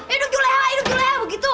iduh juleha iduh juleha begitu